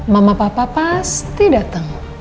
mama papa pasti dateng